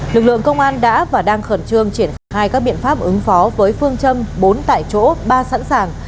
lực lượng công an đã và đang khẩn trương triển khai các biện pháp ứng phó với phương châm bốn tại chỗ ba sẵn sàng